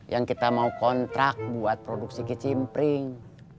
yang kita mau kontrak buat produksi kicimpring